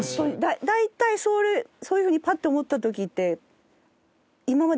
大体そういう風にパッて思った時って。